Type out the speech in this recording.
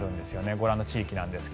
ご覧の地域ですが。